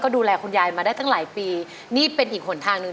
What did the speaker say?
ได้ตั้งหลายปีนี่เป็นอีกหนทางหนึ่ง